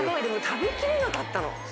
でも食べきれなかったの。